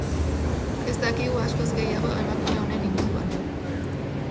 Ez dakigu askoz gehiago emakume honen inguruan.